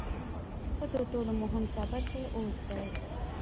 خو تر ټولو مهم څپرکی اوس دی.